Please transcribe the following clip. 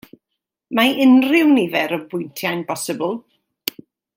Mae unrhyw nifer o bwyntiau'n bosibl.